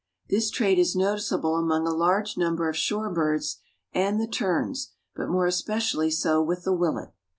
This trait is noticeable among a large number of shore birds and the terns, but more especially so with the Willet.